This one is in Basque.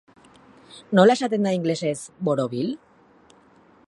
Nola esaten da ingelesez "borobil"?